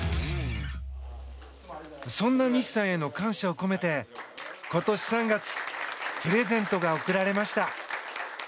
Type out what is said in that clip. そんな西さんへの感謝を込めて今年３月プレゼントが贈られました。